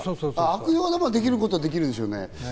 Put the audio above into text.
悪用できることはできるでしょうね。